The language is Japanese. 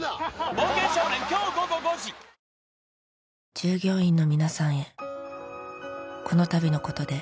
「従業員の皆さんへこのたびのことで」